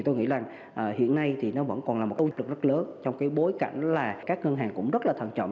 tôi nghĩ là hiện nay thì nó vẫn còn là một câu chuyện rất lớn trong cái bối cảnh là các ngân hàng cũng rất là thận trọng